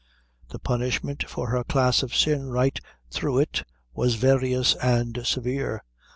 The punishment for her class of sin right through it was various and severe.